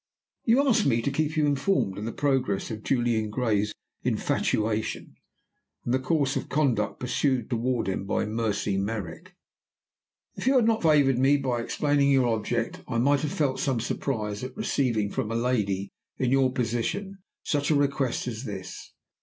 "You ask me to keep you informed of the progress of Julian Gray's infatuation, and of the course of conduct pursued toward him by Mercy Merrick. "If you had not favored me by explaining your object, I might have felt some surprise at receiving from a lady in your position such a request as this.